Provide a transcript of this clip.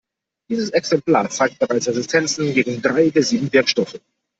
Dieses Exemplar zeigt bereits Resistenzen gegen drei der sieben Wirkstoffe.